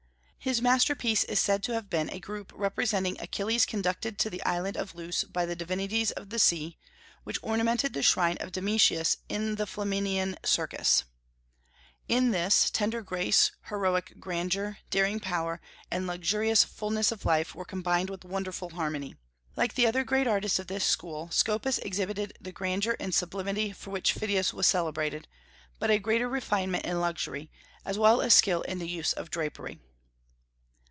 His masterpiece is said to have been a group representing Achilles conducted to the island of Leuce by the divinities of the sea, which ornamented the shrine of Domitius in the Flaminian Circus. In this, tender grace, heroic grandeur, daring power, and luxurious fulness of life were combined with wonderful harmony. Like the other great artists of this school, Scopas exhibited the grandeur and sublimity for which Phidias was celebrated, but a greater refinement and luxury, as well as skill in the use of drapery.